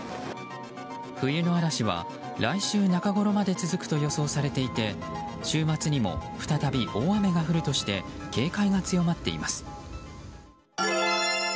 冬の嵐は来週中ごろまで続くと予想されていて週末にも再び大雨が降るとして警戒が強まっています。